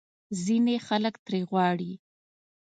ځینې خلک ترې غواړي